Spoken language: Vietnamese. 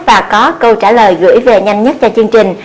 sau đó câu trả lời gửi về nhanh nhất cho chương trình